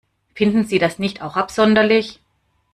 Finden Sie das nicht auch absonderlich?